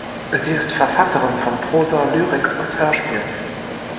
Sie ist Verfasserin von Prosa, Lyrik und Hörspielen.